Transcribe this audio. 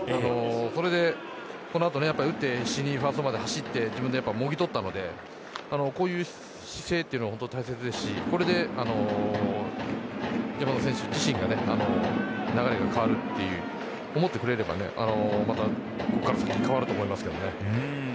これでこのあと打って必死にファーストまで走って自分でもぎ取ったのでこういう姿勢は大切ですしこれで山田選手自身が流れが変わると思ってくれればまた変わると思いますけどね。